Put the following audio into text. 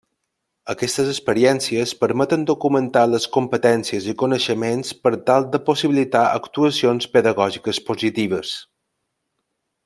Aquestes experiències permeten documentar les competències i coneixements per tal de possibilitar actuacions pedagògiques positives.